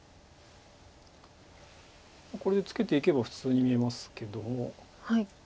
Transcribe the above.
これでツケていけば普通に見えますけども。